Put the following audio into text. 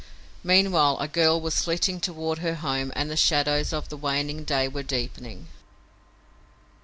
Meanwhile a girl was flitting toward her home and the shadows of the waning day were deepening.